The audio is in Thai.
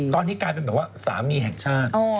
ตอนนี้กลายเป็นแบบว่าสามีแห่งชาติ